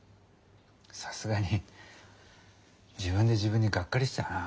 さすがに自分で自分にがっかりしたな。